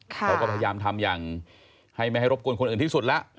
เขาก็พยายามทำอย่างให้ไม่ให้รบกวนคนอื่นที่สุดแล้ว